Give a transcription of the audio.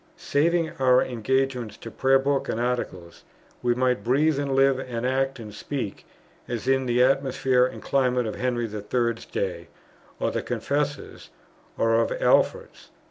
Saving our engagements to Prayer Book and Articles, we might breathe and live and act and speak, as in the atmosphere and climate of Henry III.'s day, or the Confessor's, or of Alfred's.